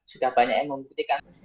sudah banyak yang membutuhkan